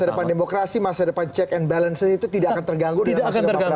jadi masa depan demokrasi masa depan check and balance itu tidak akan terganggu dalam masa depan prabowo